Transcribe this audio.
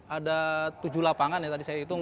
ada tujuh lapangan ya tadi saya hitung